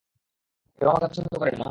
কেউ আমাকে পছন্দ করে না, মা।